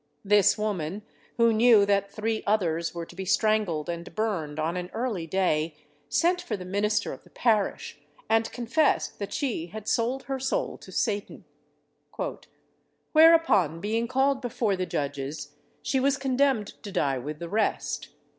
This woman, who knew that three others were to be strangled and burned on an early day, sent for the minister of the parish, and confessed that she had sold her soul to Satan. "Whereupon being called before the judges, she was condemned to die with the rest.